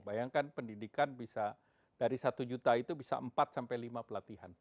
bayangkan pendidikan bisa dari satu juta itu bisa empat sampai lima pelatihan